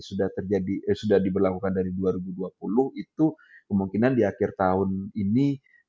sudah terjadi sudah diberlakukan dari dua ribu dua puluh itu kemungkinan di akhir tahun ini